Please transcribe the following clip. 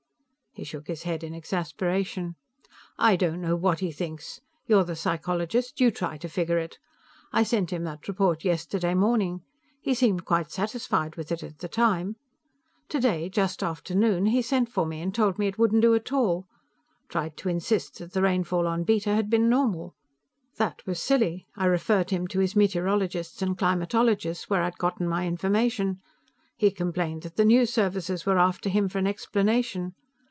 He shook his head in exasperation. "I don't know what he thinks. You're the psychologist, you try to figure it. I sent him that report yesterday morning. He seemed quite satisfied with it at the time. Today, just after noon, he sent for me and told me it wouldn't do at all. Tried to insist that the rainfall on Beta had been normal. That was silly; I referred him to his meteorologists and climatologists, where I'd gotten my information. He complained that the news services were after him for an explanation.